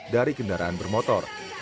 dari kendaraan bermotor